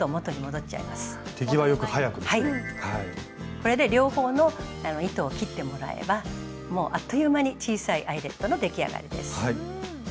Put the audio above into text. これで両方の糸を切ってもらえばもうあっという間に小さいアイレットの出来上がりです。